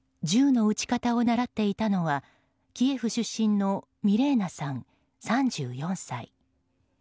銃の撃ち方を習っていたのはキエフ出身のミレーナさん、３４歳。